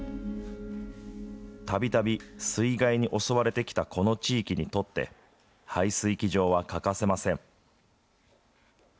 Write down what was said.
たびたび水害に襲われてきたこの地域にとって、排水機場は欠かせません。